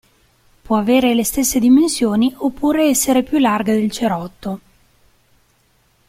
Può avere le stesse dimensioni oppure essere più larga del cerotto.